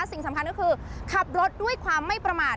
สิ่งสำคัญก็คือขับรถด้วยความไม่ประมาท